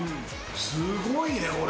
すごいね、これ。